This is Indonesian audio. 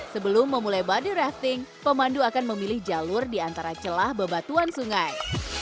sebelum memulai body rafting pemandu akan memilih jalur di antara celah bebatuan sungai